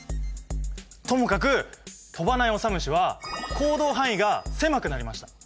ともかく飛ばないオサムシは行動範囲が狭くなりました。